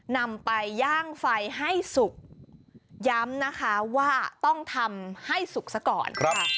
นำไปย่างไฟให้สุกย้ำนะคะว่าต้องทำให้สุกซะก่อนค่ะ